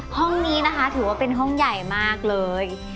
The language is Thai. ห้องนี้นะคะถือว่าเป็นห้องใหญ่มากเลย